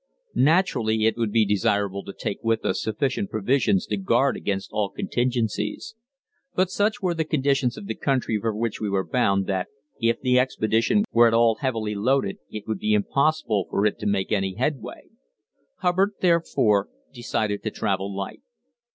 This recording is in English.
Naturally it would be desirable to take with us sufficient provisions to guard against all contingencies; but such were the conditions of the country for which we were bound, that if the expedition were at all heavily loaded it would be impossible for it to make any headway. Hubbard, therefore, decided to travel light.